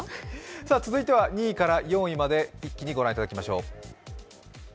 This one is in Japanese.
続いては２位から４位まで一気に御覧いただきましょう。